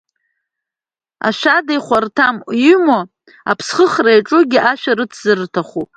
Ашәада ихәарҭам, уимоу аԥсхыхра иаҿугьы ашәа рыцзар рҭахуп.